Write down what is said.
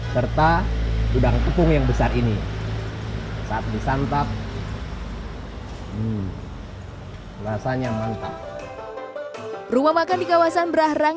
serta udang tepung yang besar ini saat disantap rasanya mantap rumah makan di kawasan berahrang